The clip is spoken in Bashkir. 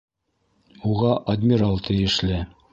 - Уға адмирал тейешле.